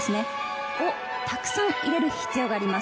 これをたくさん入れる必要があります。